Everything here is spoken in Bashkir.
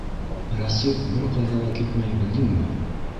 Рәсих бер ҡайҙа ла китмәй, белдеңме?